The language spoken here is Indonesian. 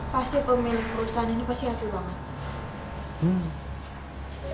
pasti pemilik perusahaan ini pasti antu banget